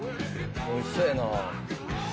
「美味しそうやな」